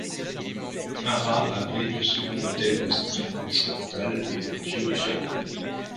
Nara abrite le second hôtel de style occidental le plus vieux du Japon.